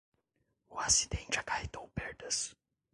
O acidente acarretou perdas